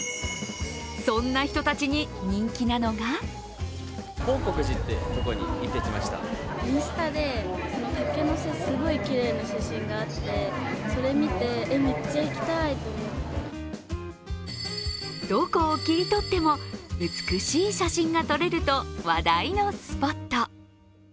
そんな人たちに人気なのがどこを切り取っても美しい写真が撮れると話題のスポット。